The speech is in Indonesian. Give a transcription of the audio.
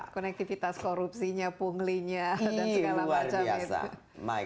konektivitas korupsinya punglinya dan segala macam